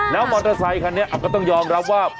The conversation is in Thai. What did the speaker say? แล้วมอเตอร์ไซคันนี้ก็ต้องยอมรับว่า